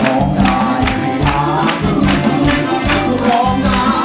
ร้องได้ให้ล้าน